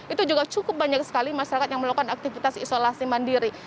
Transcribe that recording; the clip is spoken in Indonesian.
itu juga cukup banyak sekali masyarakat yang melakukan aktivitas isolasi mandiri